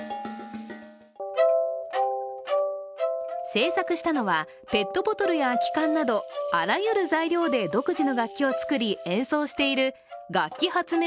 制作したのはペットボトルや空き缶などあらゆる材料で独自の楽器を作り演奏している楽器発明